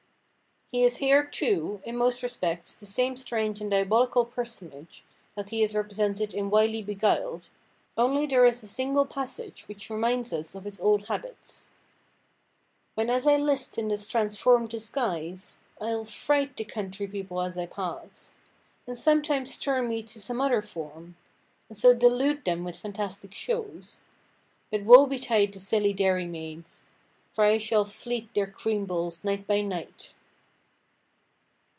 He is here, too, in most respects, the same strange and diabolical personage that he is represented in Wily Beguiled, only there is a single passage which reminds us of his old habits:— "When as I list in this transform'd disguise I'll fright the country people as I pass; And sometimes turn me to some other form, And so delude them with fantastic shows, But woe betide the silly dairymaids, For I shall fleet their cream–bowls night by night."